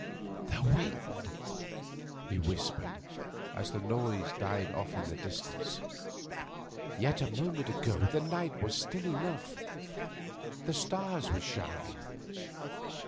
'The wind,' he whispered, as the noise died off into the distance; 'yet a moment ago the night was still enough. The stars were shining.